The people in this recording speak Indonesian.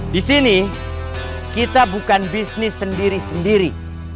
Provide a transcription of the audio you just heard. di sini kita bukan bisnis sendiri sendiri